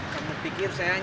bapak sudah tau